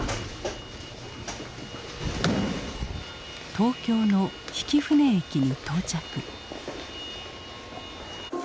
東京の曳舟駅に到着。